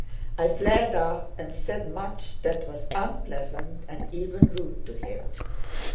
I flared up and said much that was unpleasant and even rude to him.